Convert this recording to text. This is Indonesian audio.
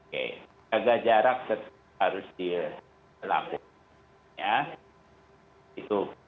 sehingga jarak harus dilakukan